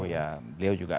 ya beliau juga